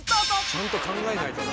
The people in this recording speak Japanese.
ちゃんと考えないとな。